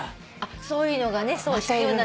そういうのがね必要なんだね。